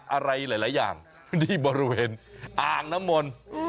อะไรหลายอย่างที่บริเวณอ่างน้ำมนต์